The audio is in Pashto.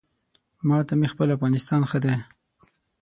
ما ته مې خپل افغانستان ښه دی